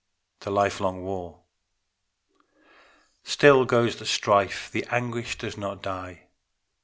THE LIFELONG WAR Still goes the strife; the anguish does not die.